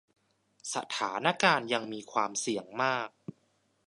สถานการณ์ยังมีความเสี่ยงมาก